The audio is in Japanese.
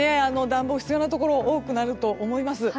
暖房が必要なところ多くなると思います。